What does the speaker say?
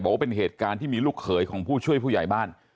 ว่าเป็นเหตุการณ์ที่มีลูกเขยของผู้ช่วยผู้ใหญ่บ้าน